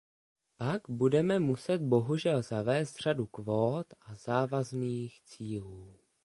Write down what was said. Pak budeme muset bohužel zavést řadu kvót a závazných cílů.